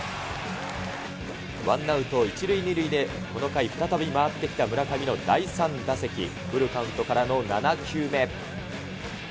ワンアウト１塁２塁でこの回、再び回ってきた村上の第３打席、フルカウントからの７球目。